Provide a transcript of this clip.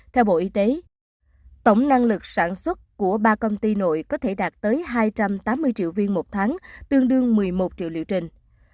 theo bộ y tế tổng năng lực sản xuất của ba công ty nội có thể đạt tới hai trăm tám mươi triệu viên một tháng tương đương một mươi một triệu liệu trình